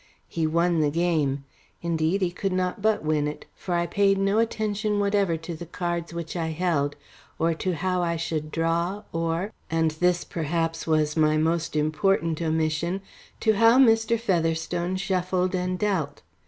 He won the game. Indeed, he could not but win it, for I paid no attention whatever to the cards which I held, or to how I should draw, or and this perhaps was my most important omission to how Mr. Featherstone shuffled and dealt.